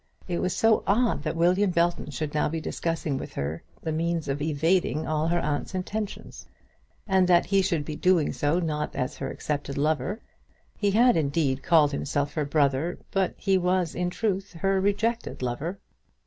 It was so odd that William Belton should now be discussing with her the means of evading all her aunt's intentions, and that he should be doing so, not as her accepted lover. He had, indeed, called himself her brother, but he was in truth her rejected lover.